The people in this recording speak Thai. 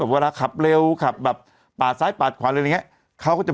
เวลาขับเร็วขับแบบปาดซ้ายปาดขวาเร็วอะไรอย่างนี้เขาก็จะ